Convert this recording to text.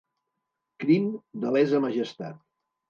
Crim de lesa majestat.